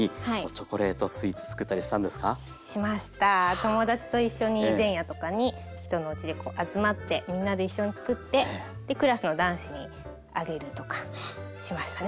友達と一緒に前夜とかに人のおうちでこう集まってみんなで一緒につくってクラスの男子にあげるとかしましたね。